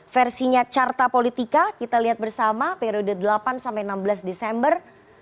versinya carta politika kita lihat bersama periode delapan sampai enam belas desember